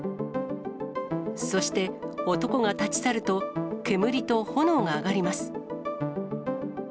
そして、男が立ち去ると、煙と炎が上がります。